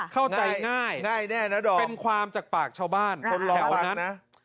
เข้าใจง่ายง่ายแน่นะดอมเป็นความจากปากชาวบ้านคนแถวนั้นนะ